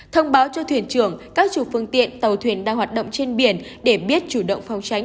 thông báo cho thuyền trưởng các chủ phương tiện tàu thuyền đang hoạt động trên biển để biết chủ động phòng tránh